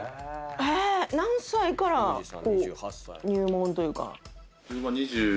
何歳からこう入門というか。